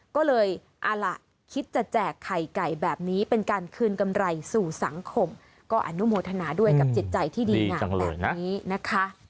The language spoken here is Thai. ก็เลยเอาล่ะคิดจะแจกไข่ไก่แบบนี้เป็นการคืนกำไรสู่สังคมก็อนุโมทนาด้วยกับจิตใจที่ดีงามแบบนี้นะคะ